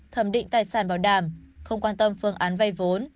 thẩm định tài sản bảo đảm không quan tâm phương án vay vốn